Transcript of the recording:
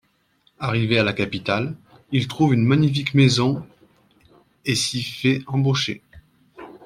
Arrivé à la capitale, il trouve une magnifique maison et s'y fait embaucher.